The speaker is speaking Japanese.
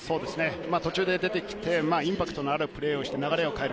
途中で出てきてインパクトのあるプレーをして流れを変える。